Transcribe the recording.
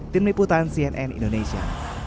tim liputan cnn indonesia